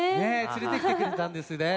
つれてきてくれたんですね。